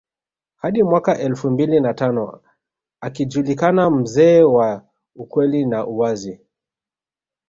Hadi mwaka elfu mbili na tano akijulikana mzee wa ukweli na uwazi